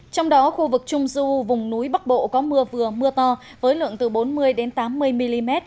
trong đó khu vực trung du vùng núi bắc bộ có mưa vừa mưa to với lượng từ bốn mươi tám mươi mm